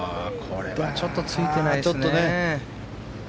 これはちょっとついてないですね。